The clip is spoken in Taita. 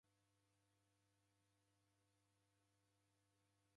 Mburi yava masa.